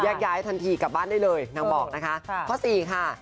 แยกย้ายทันทีกลับบ้านได้เลยนางบอกนะคะ